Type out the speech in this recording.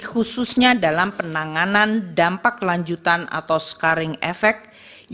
khususnya dalam penanganan dampak lanjutan atau scaring effect